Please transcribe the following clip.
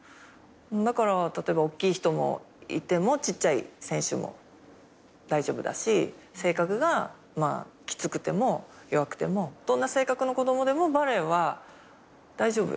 だから例えばおっきい人もいてもちっちゃい選手も大丈夫だし性格がきつくても弱くてもどんな性格の子供でもバレーは大丈夫。